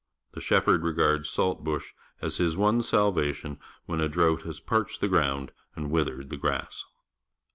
The shepherd regards salt bush as his one salvation when a drought has parched the ground and with ered the grass.